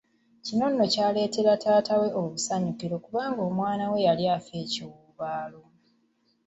Kino nno ky’aleeteera taata we obusanyukiro kuba omwana we yali afa ekiwuubaalo.